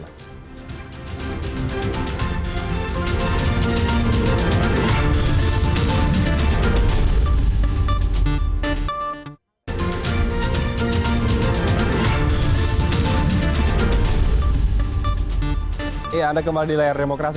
iya anda kembali di layar demokrasi